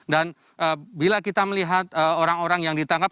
dan bila kita melihat orang orang yang ditangkap